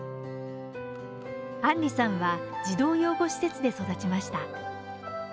安理さんは児童養護施設で育ちました。